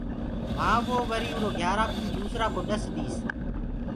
وهآنٚ وو وري اُرو گھيِآرآ ڪوُ دوسرآ ڪو ڏس ديس۔